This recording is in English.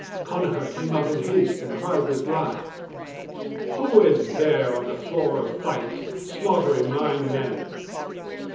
Connachar came out in haste and cried with wrath: "Who is there on the floor of fight, slaughtering my men?"